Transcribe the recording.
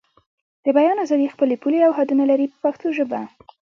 د بیان ازادي خپلې پولې او حدونه لري په پښتو ژبه.